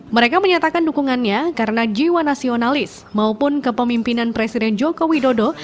mereka menyatakan dukungannya karena jiwa nasionalis maupun kepemimpinan presiden joko widodo